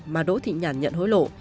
mà đỗ thị nhàn nhận hối lộ